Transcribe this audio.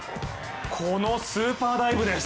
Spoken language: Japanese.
このスーパーダイブです。